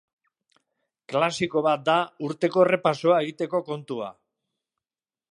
Klasiko bat da urteko errepasoa egiteko kontua.